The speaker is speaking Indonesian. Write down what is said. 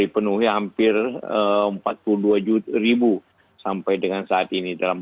penuhi dengan kebesaran